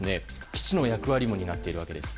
基地の役割も担っているわけです。